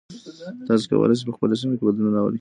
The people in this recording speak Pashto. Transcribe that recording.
تاسو کولای سئ په خپله سیمه کې بدلون راولئ.